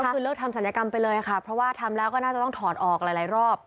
ก็คือเลิกทำศัลยกรรมไปเลยค่ะเพราะว่าทำแล้วก็น่าจะต้องถอดออกหลายรอบ